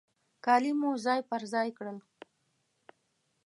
کالي مو ځای پر ځای کړل.